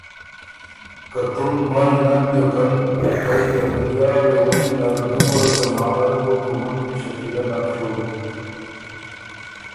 که تُوم مل نک بیوکن، پئ ته دنیا رېوجی نر ډُوبه زمانۀ ر بُو مُنکی شکیلۀ نک ڒُوک